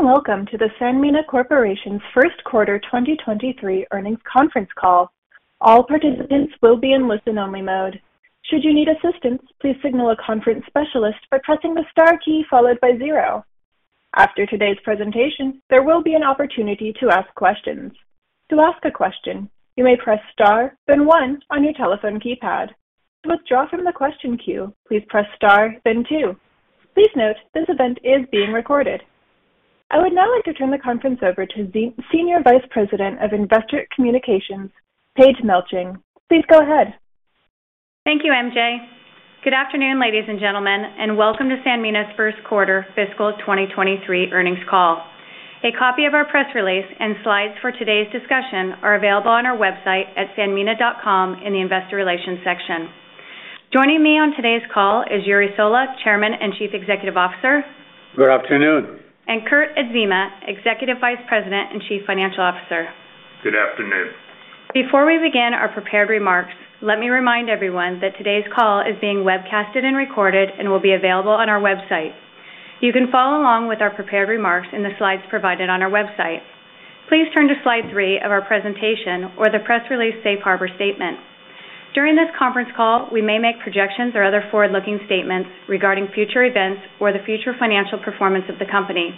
Hello, welcome to the Sanmina Corporation's first quarter 2023 earnings conference call. All participants will be in listen-only mode. Should you need assistance, please signal a conference specialist by pressing the star key followed by zero. After today's presentation, there will be an opportunity to ask questions. To ask a question, you may press star then one on your telephone keypad. To withdraw from the question queue, please press star then two. Please note, this event is being recorded. I would now like to turn the conference over to Senior Vice President of Investor Communications, Paige Melching. Please go ahead. Thank you, MJ. Good afternoon, ladies and gentlemen, and welcome to Sanmina's first quarter fiscal 2023 earnings call. A copy of our press release and slides for today's discussion are available on our website at sanmina.com in the Investor Relations section. Joining me on today's call is Jure Sola, Chairman and Chief Executive Officer. Good afternoon. Kurt Adzema, Executive Vice President and Chief Financial Officer. Good afternoon. Before we begin our prepared remarks, let me remind everyone that today's call is being webcasted and recorded and will be available on our website. You can follow along with our prepared remarks in the slides provided on our website. Please turn to slide three of our presentation or the press release safe harbor statement. During this conference call, we may make projections or other forward-looking statements regarding future events or the future financial performance of the company.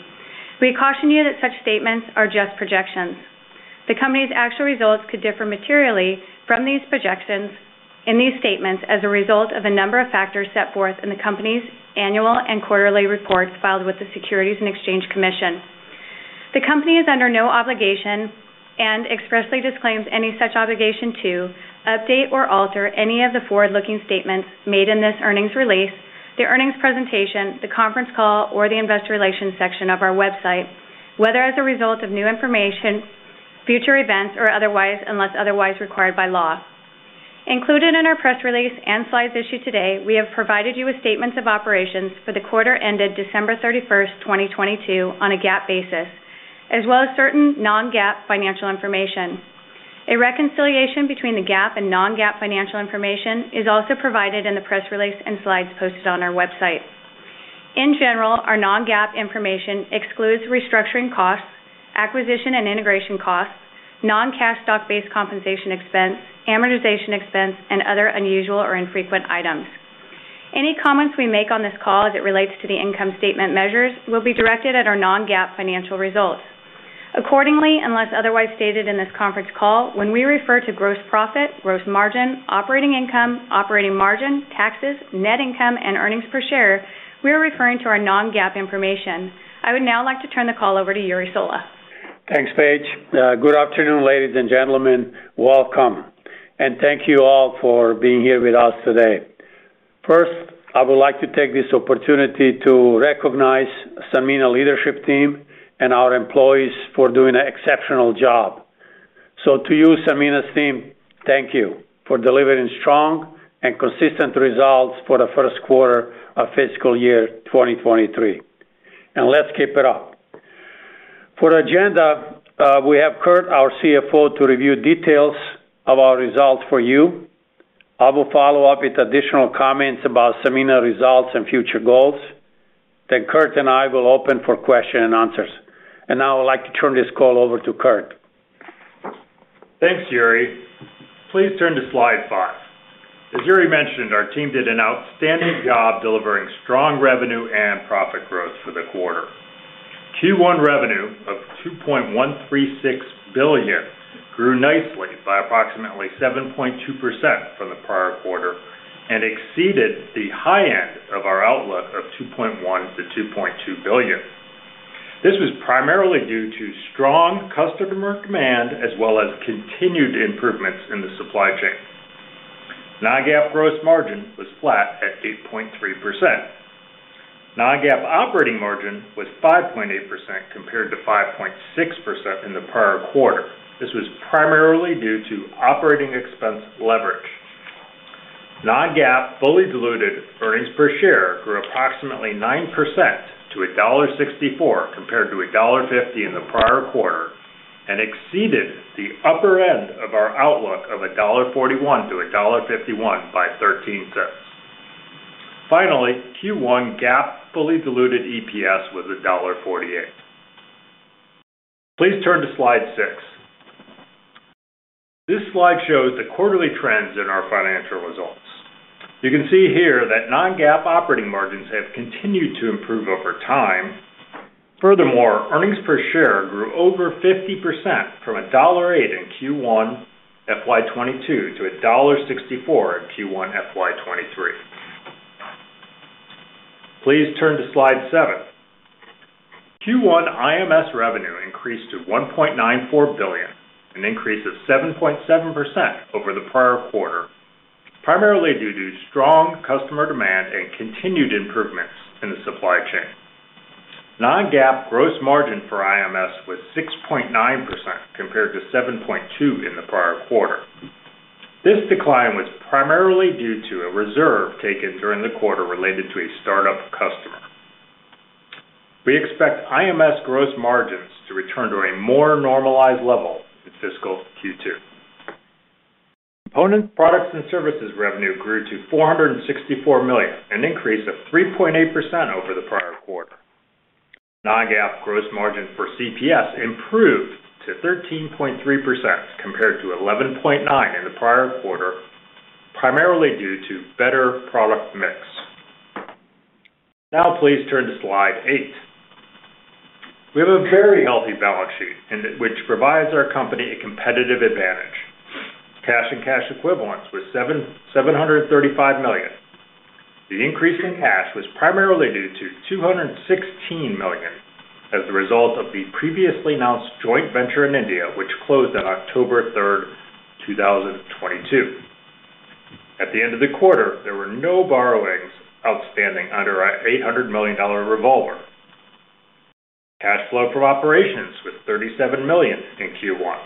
We caution you that such statements are just projections. The company's actual results could differ materially from these projections in these statements as a result of a number of factors set forth in the company's annual and quarterly reports filed with the Securities and Exchange Commission. The company is under no obligation and expressly disclaims any such obligation to update or alter any of the forward-looking statements made in this earnings release, the earnings presentation, the conference call, or the investor relations section of our website, whether as a result of new information, future events, or otherwise, unless otherwise required by law. Included in our press release and slides issued today, we have provided you with statements of operations for the quarter ended December 31st, 2022 on a GAAP basis, as well as certain non-GAAP financial information. A reconciliation between the GAAP and non-GAAP financial information is also provided in the press release and slides posted on our website. In general, our non-GAAP information excludes restructuring costs, acquisition and integration costs, non-cash stock-based compensation expense, amortization expense, and other unusual or infrequent items. Any comments we make on this call as it relates to the income statement measures will be directed at our non-GAAP financial results. Accordingly, unless otherwise stated in this conference call, when we refer to gross profit, gross margin, operating income, operating margin, taxes, net income, and earnings per share, we are referring to our non-GAAP information. I would now like to turn the call over to Jure Sola. Thanks, Paige. Good afternoon, ladies and gentlemen. Welcome. Thank you all for being here with us today. First, I would like to take this opportunity to recognize Sanmina leadership team and our employees for doing an exceptional job. To you, Sanmina's team, thank you for delivering strong and consistent results for the first quarter of fiscal year 2023. Let's keep it up. For agenda, we have Kurt, our CFO, to review details of our results for you. I will follow up with additional comments about Sanmina results and future goals. Kurt and I will open for question and answers. Now I would like to turn this call over to Kurt. Thanks, Jure. Please turn to slide five. As Jure mentioned, our team did an outstanding job delivering strong revenue and profit growth for the quarter. Q1 revenue of $2.136 billion grew nicely by approximately 7.2% from the prior quarter and exceeded the high end of our outlook of $2.1 billion-$2.2 billion. This was primarily due to strong customer demand as well as continued improvements in the supply chain. Non-GAAP gross margin was flat at 8.3%. Non-GAAP operating margin was 5.8% compared to 5.6% in the prior quarter. This was primarily due to operating expense leverage. Non-GAAP fully diluted earnings per share grew approximately 9% to $1.64 compared to $1.50 in the prior quarter and exceeded the upper end of our outlook of $1.41-$1.51 by $0.13. Q1 GAAP fully diluted EPS was $1.48. Please turn to slide six. This slide shows the quarterly trends in our financial results. You can see here that non-GAAP operating margins have continued to improve over time. Earnings per share grew over 50% from $1.08 in Q1 FY 2022 to $1.64 in Q1 FY 2023. Please turn to slide seven. Q1 IMS revenue increased to $1.94 billion, an increase of 7.7% over the prior quarter, primarily due to strong customer demand and continued improvements in the supply chain. Non-GAAP gross margin for IMS was 6.9% compared to 7.2% in the prior quarter. This decline was primarily due to a reserve taken during the quarter related to a start-up customer. We expect IMS gross margins to return to a more normalized level in fiscal Q2. Components, products, and services revenue grew to $464 million, an increase of 3.8% over the prior quarter. Non-GAAP gross margin for CPS improved to 13.3% compared to 11.9% in the prior quarter, primarily due to better product mix. Please turn to slide eight. We have a very healthy balance sheet which provides our company a competitive advantage. Cash and cash equivalents was $735 million. The increase in cash was primarily due to $216 million as a result of the previously announced joint venture in India, which closed on October 3rd, 2022. At the end of the quarter, there were no borrowings outstanding under our $800 million revolver. Cash flow from operations was $37 million in Q1.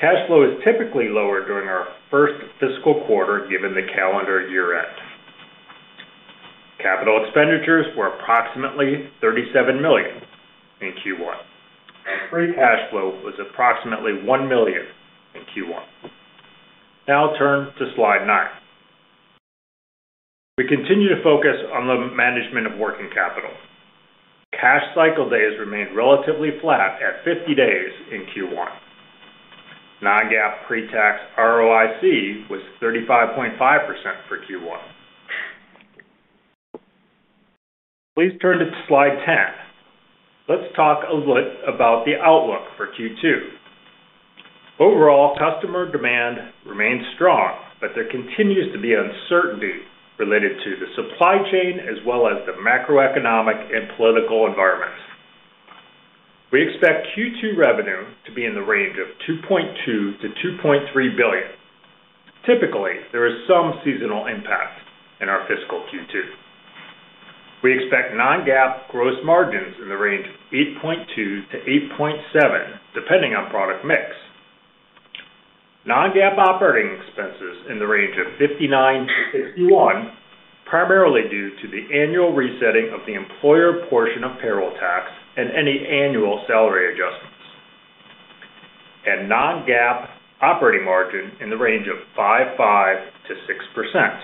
Cash flow is typically lower during our first fiscal quarter given the calendar year-end. CapEx were approximately $37 million in Q1. Free cash flow was approximately $1 million in Q1. Turn to slide nine. We continue to focus on the management of working capital. Cash cycle days remained relatively flat at 50 days in Q1. Non-GAAP pre-tax ROIC was 35.5% for Q1. Please turn to slide 10. Let's talk about the outlook for Q2. Overall, customer demand remains strong, there continues to be uncertainty related to the supply chain as well as the macroeconomic and political environment. We expect Q2 revenue to be in the range of $2.2 billion-$2.3 billion. Typically, there is some seasonal impact in our fiscal Q2. We expect non-GAAP gross margins in the range of 8.2%-8.7%, depending on product mix. Non-GAAP operating expenses in the range of $59 million-$61 million, primarily due to the annual resetting of the employer portion of payroll tax and any annual salary adjustments. Non-GAAP operating margin in the range of 5.5%-6%.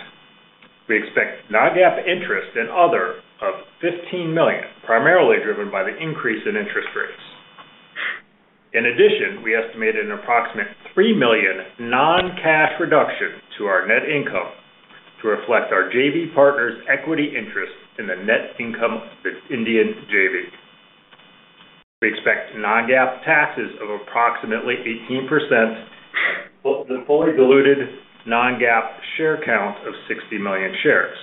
We expect non-GAAP interest and other of $15 million, primarily driven by the increase in interest rates. In addition, we estimated an approximate $3 million non-cash reduction to our net income to reflect our JV partner's equity interest in the net income of its Indian JV. We expect non-GAAP taxes of approximately 18%, and the fully diluted non-GAAP share count of 60 million shares.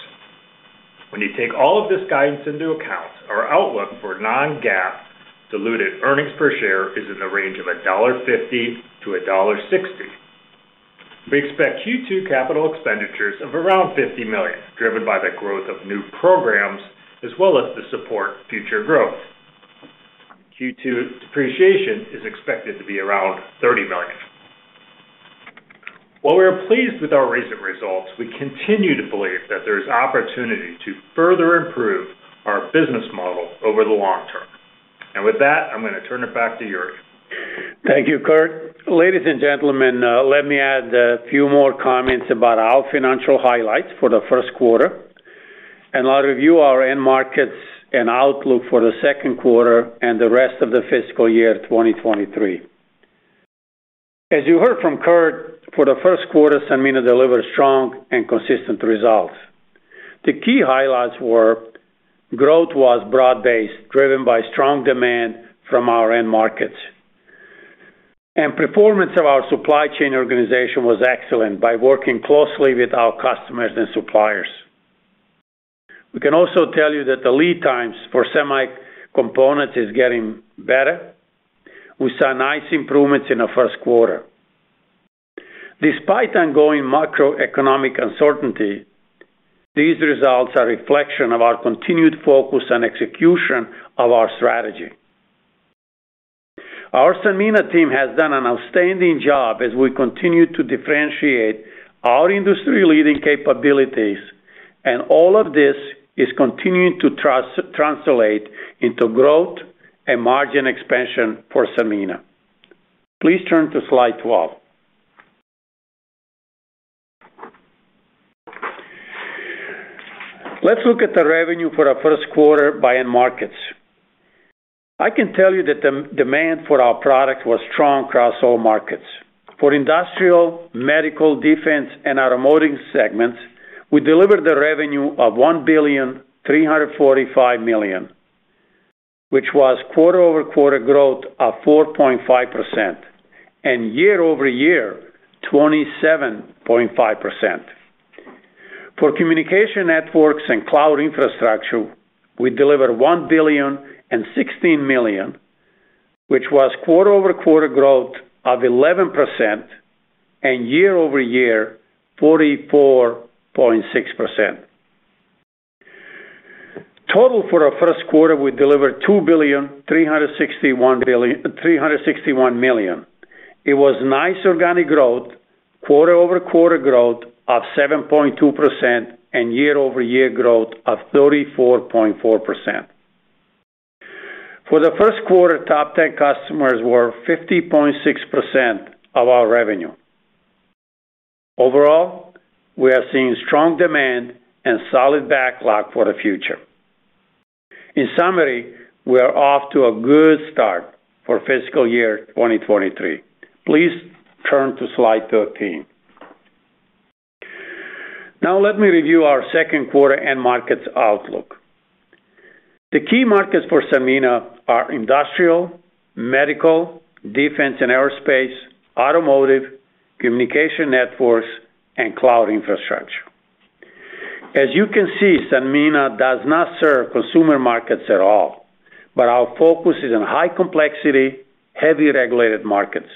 When you take all of this guidance into account, our outlook for non-GAAP diluted earnings per share is in the range of $1.50-$1.60. We expect Q2 capital expenditures of around $50 million, driven by the growth of new programs as well as to support future growth. Q2 depreciation is expected to be around $30 million. While we are pleased with our recent results, we continue to believe that there's opportunity to further improve our business model over the long term. With that, I'm gonna turn it back to Jure. Thank you, Kurt. Ladies and gentlemen, let me add a few more comments about our financial highlights for the first quarter, and I'll review our end markets and outlook for the second quarter and the rest of the fiscal year 2023. As you heard from Kurt, for the first quarter, Sanmina delivered strong and consistent results. The key highlights were growth was broad-based, driven by strong demand from our end markets. Performance of our supply chain organization was excellent by working closely with our customers and suppliers. We can also tell you that the lead times for semi components is getting better. We saw nice improvements in the first quarter. Despite ongoing macroeconomic uncertainty, these results are a reflection of our continued focus on execution of our strategy. Our Sanmina team has done an outstanding job as we continue to differentiate our industry leading capabilities, all of this is continuing to translate into growth and margin expansion for Sanmina. Please turn to slide 12. Let's look at the revenue for our first quarter by end markets. I can tell you that the demand for our product was strong across all markets. For industrial, medical, defense, and our automotive segments, we delivered the revenue of $1.345 billion, which was quarter-over-quarter growth of 4.5%, and year-over-year, 27.5%. For communication networks and cloud infrastructure, we delivered $1.016 billion, which was quarter-over-quarter growth of 11% and year-over-year, 44.6%. Total for our first quarter, we delivered $2.361 billion. It was nice organic growth, quarter-over-quarter growth of 7.2% and year-over-year growth of 34.4%. For the first quarter, top 10 customers were 50.6% of our revenue. Overall, we are seeing strong demand and solid backlog for the future. In summary, we are off to a good start for FY 2023. Please turn to slide 13. Now let me review our second quarter end markets outlook. The key markets for Sanmina are industrial, medical, defense and aerospace, automotive, communication networks, and cloud infrastructure. As you can see, Sanmina does not serve consumer markets at all, but our focus is on high complexity, heavy regulated markets.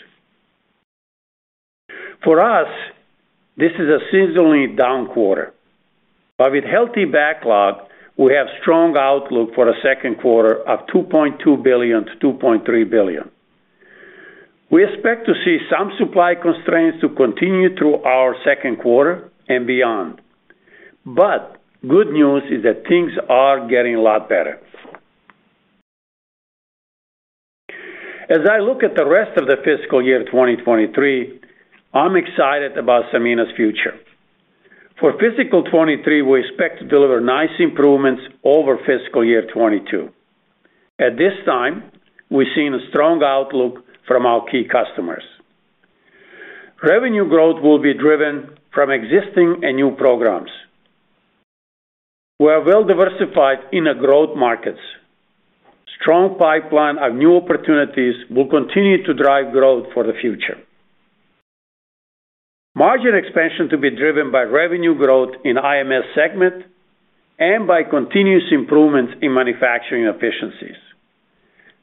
For us, this is a seasonally down quarter, but with healthy backlog, we have strong outlook for the second quarter of $2.2 billion-$2.3 billion. We expect to see some supply constraints to continue through our second quarter and beyond. Good news is that things are getting a lot better. As I look at the rest of the fiscal year 2023, I'm excited about Sanmina's future. For fiscal 2023, we expect to deliver nice improvements over fiscal year 2022. At this time, we're seeing a strong outlook from our key customers. Revenue growth will be driven from existing and new programs. We are well diversified in the growth markets. Strong pipeline of new opportunities will continue to drive growth for the future. Margin expansion to be driven by revenue growth in IMS segment and by continuous improvements in manufacturing efficiencies.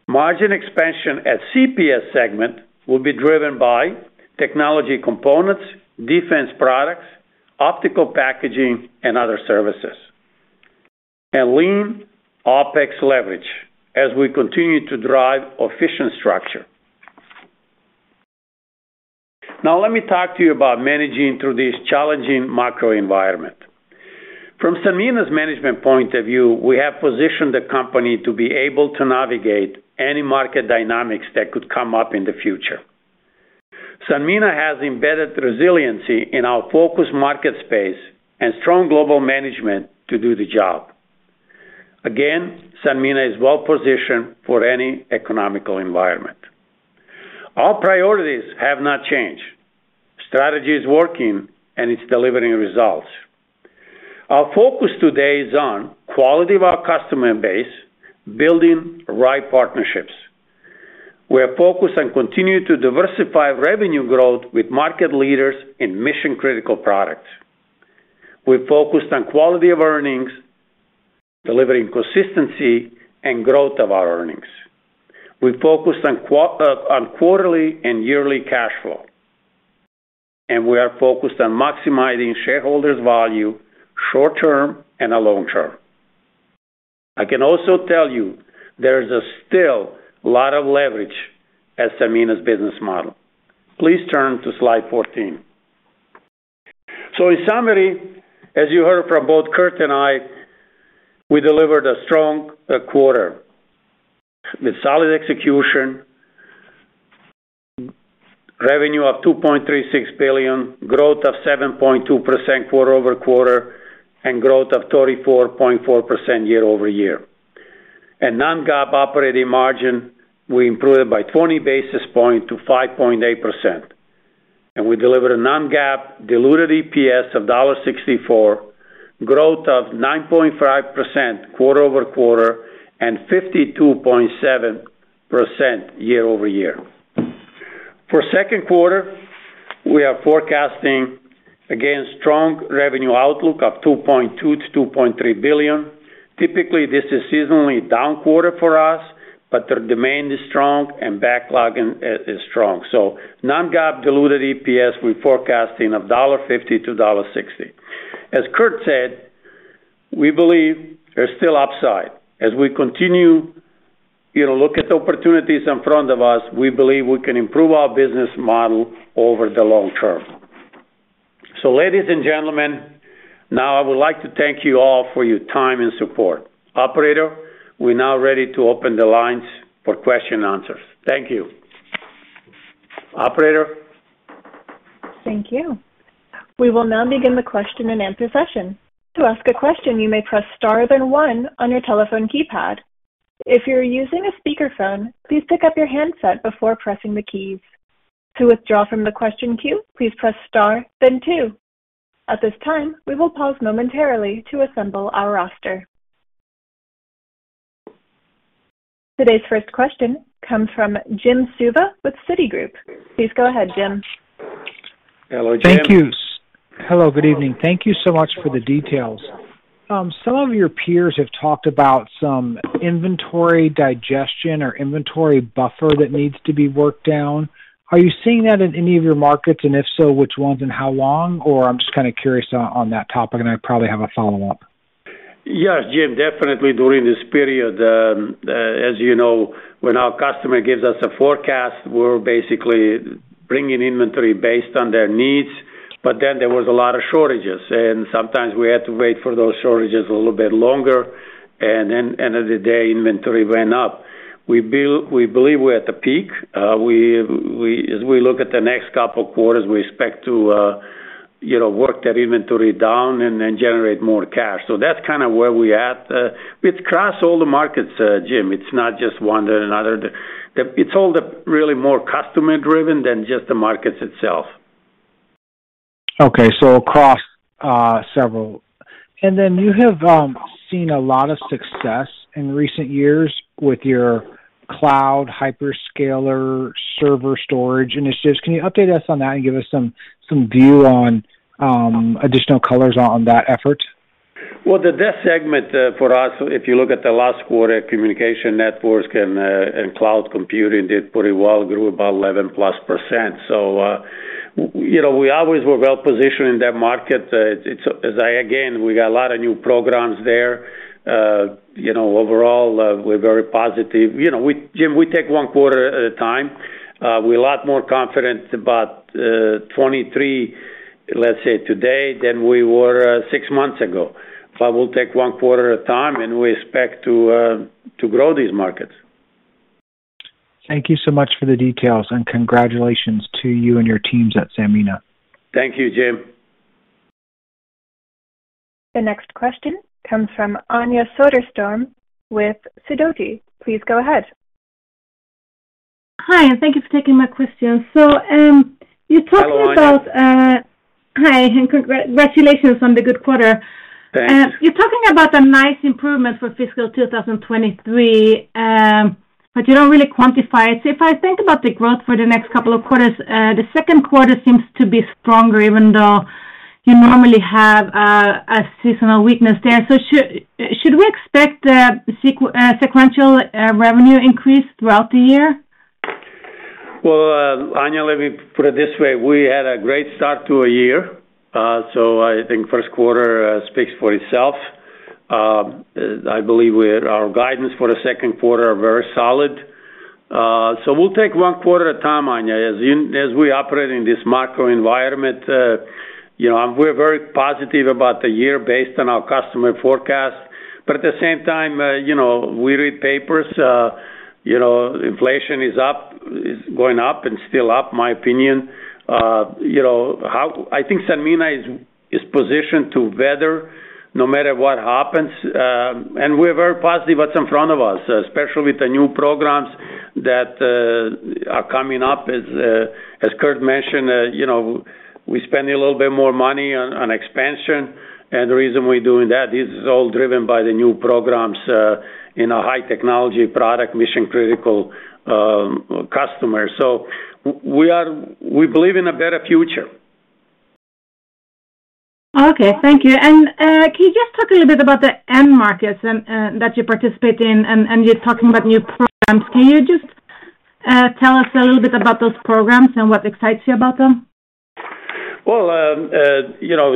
Margin expansion at CPS segment will be driven by technology components, defense products, optical packaging, and other services, and lean OpEx leverage as we continue to drive efficient structure. Let me talk to you about managing through this challenging macro environment. From Sanmina's management point of view, we have positioned the company to be able to navigate any market dynamics that could come up in the future. Sanmina has embedded resiliency in our focused market space and strong global management to do the job. Sanmina is well-positioned for any economical environment. Our priorities have not changed. Strategy is working, and it's delivering results. Our focus today is on quality of our customer base, building right partnerships. We are focused on continuing to diversify revenue growth with market leaders in mission-critical products. We're focused on quality of earnings, delivering consistency and growth of our earnings. We're focused on quarterly and yearly cash flow, and we are focused on maximizing shareholders value short-term and a long-term. I can also tell you there is a still lot of leverage at Sanmina's business model. Please turn to slide 14. In summary, as you heard from both Kurt and I, we delivered a strong quarter with solid execution, revenue of $2.36 billion, growth of 7.2% quarter-over-quarter, and growth of 34.4% year-over-year. In non-GAAP operating margin, we improved by 20 basis point to 5.8%, and we delivered a non-GAAP diluted EPS of $1.64, growth of 9.5% quarter-over-quarter, and 52.7% year-over-year. For second quarter, we are forecasting, again, strong revenue outlook of $2.2 billion-$2.3 billion. Typically, this is seasonally down quarter for us, but the demand is strong and backlog is strong. Non-GAAP diluted EPS, we're forecasting of $1.50-$1.60. As Kurt said, we believe there's still upside. As we continue, you know, look at the opportunities in front of us, we believe we can improve our business model over the long term. Ladies and gentlemen, now I would like to thank you all for your time and support. Operator, we're now ready to open the lines for question and answers. Thank you. Operator? Thank you. We will now begin the Q&A session. To ask a question, you may press star then one on your telephone keypad. If you're using a speakerphone, please pick up your handset before pressing the keys. To withdraw from the question queue, please press star then two. At this time, we will pause momentarily to assemble our roster. Today's first question comes from Jim Suva with Citigroup. Please go ahead, Jim. Hello, Jim. Thank you. Hello, good evening. Thank you so much for the details. some of your peers have talked about some inventory digestion or inventory buffer that needs to be worked down. Are you seeing that in any of your markets, and if so, which ones and how long? I'm just kinda curious on that topic, and I probably have a follow-up. Yes, Jim, definitely during this period, as you know, when our customer gives us a forecast, we're basically bringing inventory based on their needs. There was a lot of shortages, and sometimes we had to wait for those shortages a little bit longer, and then end of the day, inventory went up. We believe we're at the peak. As we look at the next couple quarters, we expect to, you know, work that inventory down and then generate more cash. That's kinda where we at. It's across all the markets, Jim. It's not just one or another. It's all the really more customer-driven than just the markets itself. Okay. Across, several. You have seen a lot of success in recent years with your cloud hyperscaler server storage initiatives. Can you update us on that and give us some view on additional colors on that effort? That segment, for us, if you look at the last quarter, communication networks and cloud computing did pretty well, grew about 11+%. We, you know, we always were well-positioned in that market. It's, as I again, we got a lot of new programs there. You know, overall, we're very positive. You know, Jim, we take one quarter at a time. We're a lot more confident about 2023, let's say today, than we were six months ago. We'll take one quarter at a time, and we expect to grow these markets. Thank you so much for the details, and congratulations to you and your teams at Sanmina. Thank you, Jim. The next question comes from Anja Soderstrom with Sidoti. Please go ahead. Hi, and thank you for taking my question. Hello, Anja. You're talking about. Hi, and congratulations on the good quarter. Thanks. You're talking about a nice improvement for fiscal 2023, but you don't really quantify it. If I think about the growth for the next couple of quarters, the second quarter seems to be stronger even though you normally have a seasonal weakness there. Should we expect a sequential revenue increase throughout the year? Well, Anja, let me put it this way. We had a great start to a year, I think first quarter speaks for itself. I believe our guidance for the second quarter are very solid. We'll take one quarter at a time, Anja, as we operate in this macro environment. You know, we're very positive about the year based on our customer forecast. At the same time, you know, we read papers, you know, inflation is up, is going up and still up, in my opinion. You know, I think Sanmina is positioned to weather no matter what happens, and we're very positive what's in front of us, especially with the new programs that are coming up. As, as Kurt mentioned, you know, we're spending a little bit more money on expansion. The reason we're doing that, this is all driven by the new programs, in a high technology product, mission-critical, customers. We believe in a better future. Okay, thank you. Can you just talk a little bit about the end markets and that you participate in and you're talking about new programs? Can you just tell us a little bit about those programs and what excites you about them? Well, you know,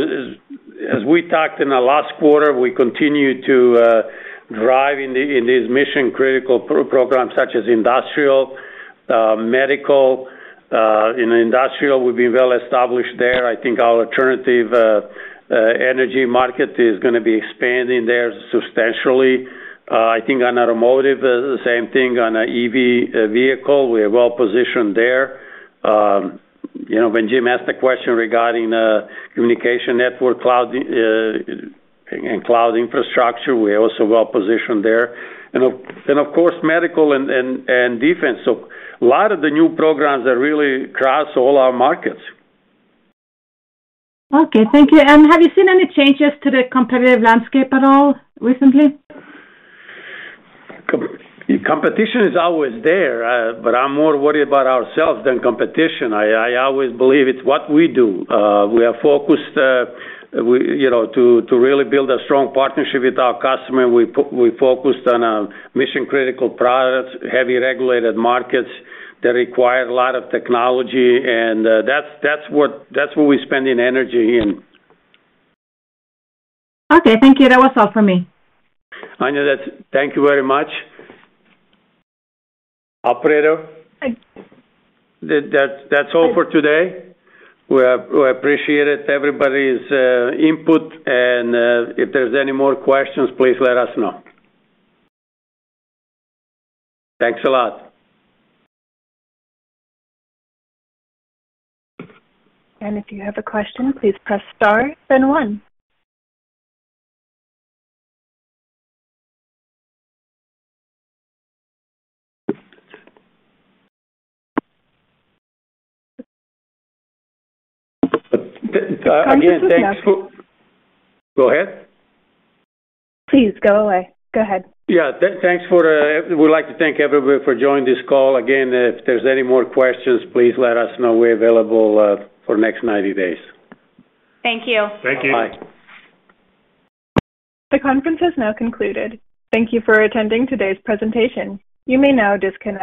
as we talked in the last quarter, we continue to drive in these mission-critical programs such as industrial, medical. In industrial, we've been well-established there. I think our alternative energy market is gonna be expanding there substantially. I think on automotive, the same thing. On a EV vehicle, we are well-positioned there. You know, when Jim asked the question regarding communication network, cloud and cloud infrastructure, we're also well-positioned there. Of course, medical and defense. A lot of the new programs are really across all our markets. Okay, thank you. Have you seen any changes to the competitive landscape at all recently? Competition is always there, but I'm more worried about ourselves than competition. I always believe it's what we do. We are focused, we, you know, to really build a strong partnership with our customer. We're focused on mission-critical products, heavy regulated markets that require a lot of technology, and that's what, that's where we're spending energy in. Okay, thank you. That was all for me. Anja, thank you very much. Operator? Thank you. That's all for today. We appreciate everybody's input. If there's any more questions, please let us know. Thanks a lot. If you have a question, please press star then one. Thank you. Go ahead. Please go away. Go ahead. Yeah. We'd like to thank everybody for joining this call. Again, if there's any more questions, please let us know. We're available for the next 90 days. Thank you. Thank you. Bye. The conference is now concluded. Thank you for attending today's presentation. You may now disconnect.